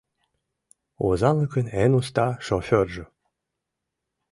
Озанлыкын эн уста шофёржо!